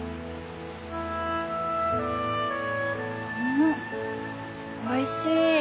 んっおいしい。